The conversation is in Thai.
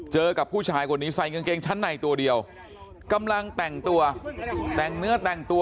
กับผู้ชายคนนี้ใส่กางเกงชั้นในตัวเดียวกำลังแต่งตัวแต่งเนื้อแต่งตัว